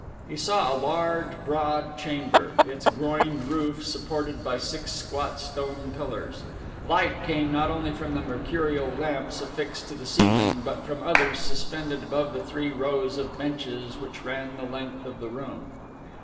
He saw a large, broad chamber, its groined roof supported by six squat stone pillars. Light came not only from mercurial lamps affixed to the ceiling, but from others suspended above the three rows of benches which ran the length of the room.